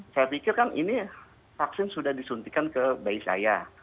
saya pikir kan ini vaksin sudah disuntikan ke bayi saya